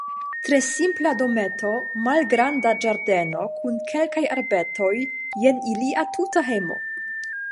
Tre simpla dometo, malgranda ĝardeno kun kelkaj arbetoj, jen ilia tuta hejmo.